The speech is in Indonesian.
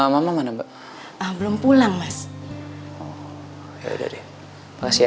mama mana belum pulang mas ya udah deh makasih ya